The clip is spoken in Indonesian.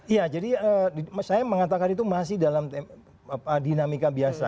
iya jadi saya mengatakan itu masih dalam dinamika biasa